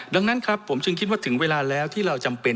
ดังนั้นครับผมจึงคิดว่าถึงเวลาแล้วที่เราจำเป็น